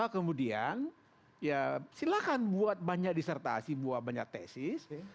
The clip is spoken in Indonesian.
kemudian ya silahkan buat banyak disertasi banyak tesis